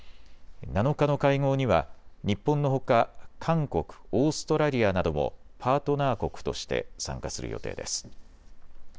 ７日の会合には日本のほか韓国、オーストラリアなどもパートナー国として参加する予定です。